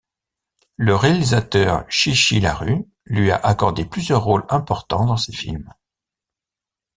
Le réalisateur Chi Chi LaRue lui a accordé plusieurs rôles importants dans ses films.